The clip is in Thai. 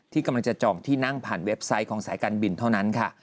กำลังจะจองที่นั่งผ่านเว็บไซต์ของสายการบินเท่านั้นค่ะ